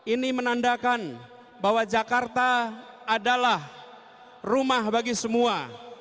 ini menandakan bahwa jakarta adalah rumah bagi semua